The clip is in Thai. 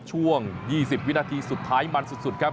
ช่วง๒๐วินาทีสุดท้ายมันสุดครับ